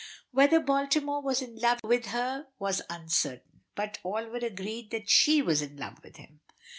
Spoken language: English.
Whether Baltimore was in love with her was uncertain, but all were agreed that she was in love with him.